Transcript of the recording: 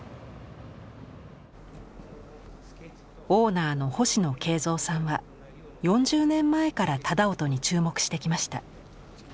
オーナーの星野桂三さんは４０年前から楠音に注目してきました。